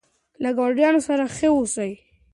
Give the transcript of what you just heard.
له ګاونډیانو سره ښه اوسئ.